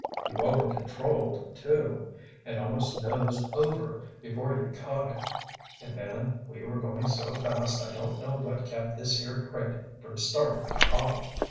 You 'over controlled', too, and almost nosed over before you caught it—and then, we were going so fast I don't know what kept this here crate from starting to hop.